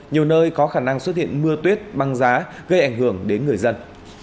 nhiều nơi có khả năng xuất hiện mưa tuyết băng giá gây ảnh hưởng đến người dân